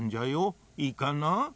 いいかな？